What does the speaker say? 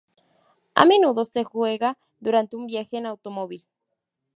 A menudo se juega durante un viaje en automóvil.